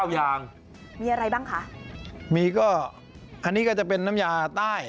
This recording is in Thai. อย่างมีอะไรบ้างคะมีก็คันนี้ก็จะเป็นน้ำยาใต้